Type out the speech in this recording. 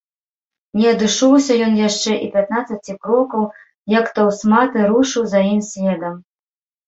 Не адышоўся ён яшчэ і пятнаццаці крокаў, як таўсматы рушыў за ім следам.